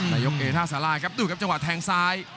นายกเอท่าสาราครับดูครับจังหวะแทงซ้าย